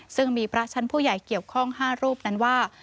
ซึ่งมีพระชั้นผู้ใหญ่เกี่ยวข้อง๕รูปนั้นว่า